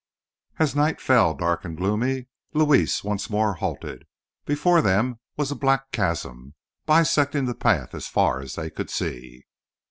As night fell, dark and gloomy, Luis once more halted. Before them was a black chasm, bisecting the path as far as they could see.